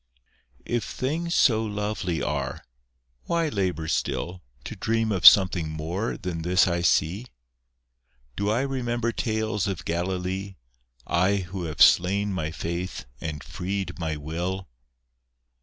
If things so lovely are, why labour still To dream of something more than this I see? Do I remember tales of Galilee, I who have slain my faith and freed my will?